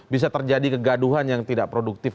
bisa terjadi kegaduhan yang tidak produktif